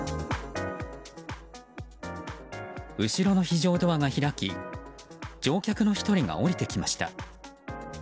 後ろの非常ドアが開き乗客の１人が降りてきました。